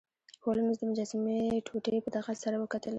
هولمز د مجسمې ټوټې په دقت سره وکتلې.